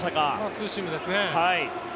ツーシームですね。